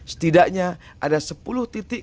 setidaknya ada sepuluh titik